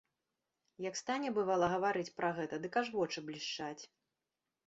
Як стане, бывала, гаварыць пра гэта, дык аж вочы блішчаць.